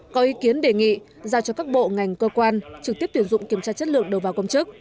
có ý kiến đề nghị giao cho các bộ ngành cơ quan trực tiếp tuyển dụng kiểm tra chất lượng đầu vào công chức